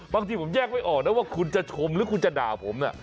บางทีผมแยกไม่ออกนะว่าคุณจะชมหรือคุณจะด่าผมน่ะ